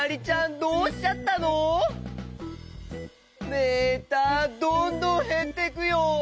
メーターどんどんへってくよ。